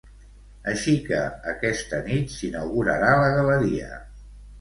Així que, aquesta nit s'inaugurarà la galeria.